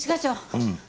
うん。